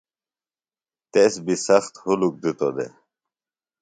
تس بی سخت ہُلُک دِتو دےۡ۔